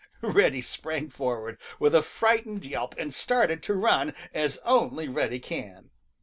Reddy sprang forward with a frightened yelp and started to run as only Reddy can.